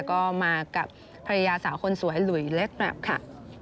ก็มากับภรรยาสาวคนสวยหลุยเล็กแม็ปค่ะ